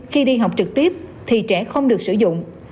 khi đi học trực tiếp thì trẻ không được sử dụng